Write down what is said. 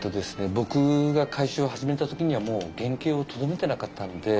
僕が改修を始めた時にはもう原形をとどめてなかったんで。